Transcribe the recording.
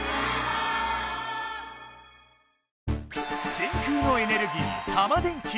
電空のエネルギータマ電Ｑ。